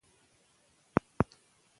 په ځنگله کی به آزاد یې د خپل سر یې